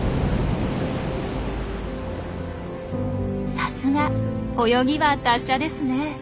さすが泳ぎは達者ですね。